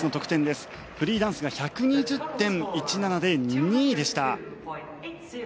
フリーダンスが１２０．１７で２位でした。